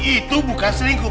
itu bukan selingkuh